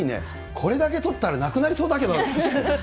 これだけ取ったらなくなりそうだけど。